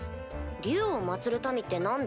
竜を祀る民って何だ？